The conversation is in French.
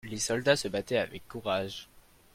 Les soldats se battaient avec courage.